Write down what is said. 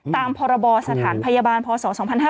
ตามพรบสถานพยาบาลพศ๒๕๕๙